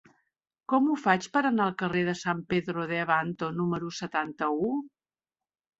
Com ho faig per anar al carrer de San Pedro de Abanto número setanta-u?